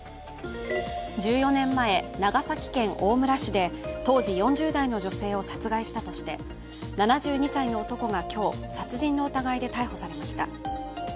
１４年前、長崎県大村市で当時４０代の女性を殺害したとして７２歳の男が今日、殺人の疑いで逮捕されました。